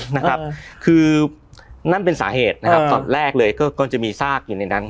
นะครับคือนั่นเป็นสาเหตุนะครับตอนแรกเลยก็ก็จะมีซากอยู่ในนั้น